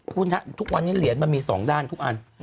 คุณฮะทุกวันนี้เหรียญมันมี๒ด้านทุกอัน